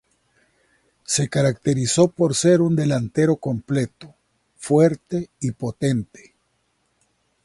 Se caracterizó por ser un delantero completo, fuerte y potente.